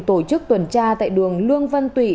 tổ chức tuần tra tại đường lương văn tụy